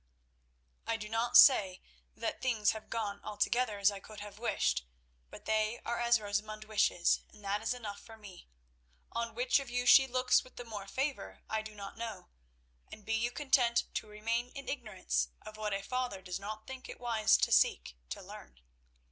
"I do not say that things have gone altogether as I could have wished, but they are as Rosamund wishes, and that is enough for me. On which of you she looks with the more favour I do not know, and be you content to remain in ignorance of what a father does not think it wise to seek to learn.